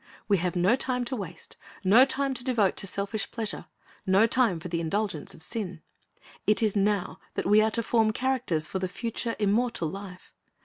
We have no time to waste, no time to devote to selfish pleasure, no time for the indulgence of sin. It is now that we are to form characters for the future, immortal life.